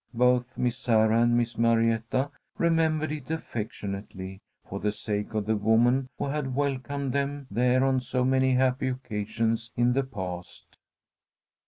Both Miss Sarah and Miss Marietta remembered it affectionately, for the sake of the woman who had welcomed them there on so many happy occasions in the past.